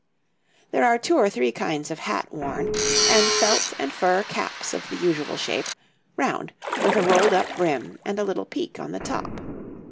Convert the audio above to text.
There are two or three kinds of hat worn, and felt and fur caps of the usual shape round, with a rolled up brim and a little peak on the top.